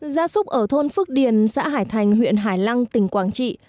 gia súc ở thôn phước điền xã hải thành huyện hải lăng tỉnh quảng trị